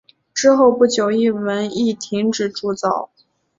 之后不久一文亦停止铸造。